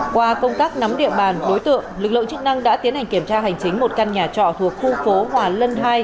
qua công tác nắm địa bàn đối tượng lực lượng chức năng đã tiến hành kiểm tra hành chính một căn nhà trọ thuộc khu phố hòa lân hai